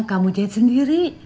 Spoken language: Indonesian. kamu jahit sendiri